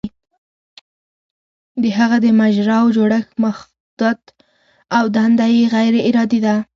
د هغه د مجراوو جوړښت مخطط او دنده یې غیر ارادي ده.